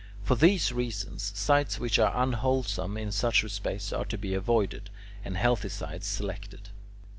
For these reasons, sites which are unwholesome in such respects are to be avoided, and healthy sites selected.